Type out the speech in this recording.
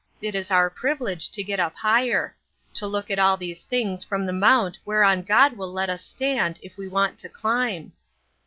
It is our privilege to get up higher ; to look at all these things from the mount whereon God will let us stand, if we want to climb."